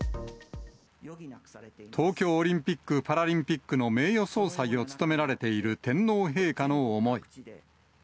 東京オリンピック・パラリンピックの名誉総裁を務められている天皇陛下の思い。